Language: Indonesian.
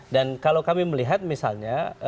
dan kalau kami melihat misalnya